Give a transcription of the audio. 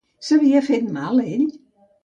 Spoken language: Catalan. S'havia fet mal ell?